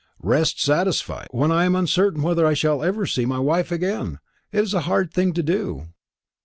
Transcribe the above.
"Rest satisfied, when I am uncertain whether I shall ever see my wife again! That is a hard thing to do."